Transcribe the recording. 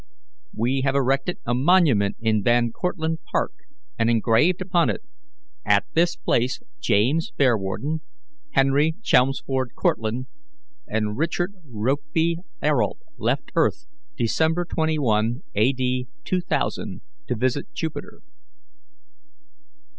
"We have erected a monument in Van Cortlandt Park, and engraved upon it, 'At this place James Bearwarden, Henry Chelmsford Cortlandt, and Richard Rokeby Ayrault left earth, December 21, A. D. 2000, to visit Jupiter.'"